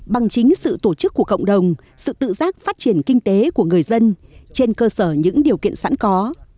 bằng chính sự tổ chức của cộng đồng sự tự giác phát triển kinh tế của người dân trên cơ sở những điều kiện sẵn có